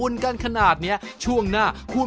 ต้องโชว์กล้อง